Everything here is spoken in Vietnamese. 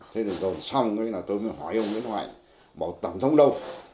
thế rồi rồi xong tôi mới hỏi ông nguyễn hiễu hạnh bảo tổng thống đâu